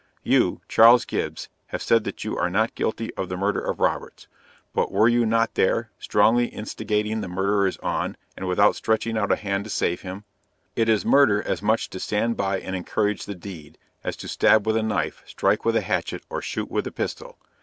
You, Charles Gibbs, have said that you are not guilty of the murder of Roberts; but were you not there, strongly instigating the murderers on, and without stretching out a hand to save him? It is murder as much to stand by and encourage the deed, as to stab with a knife, strike with a hatchet, or shoot with a pistol.